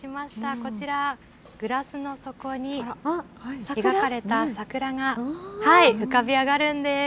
こちら、グラスの底に描かれた桜が浮かび上がるんです。